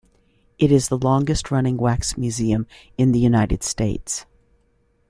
It is the longest-running wax museum in the United States.